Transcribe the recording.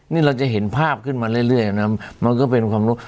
นี่เราจะเห็นภาพขึ้นมาเรื่อยนะมันก็เป็นความรู้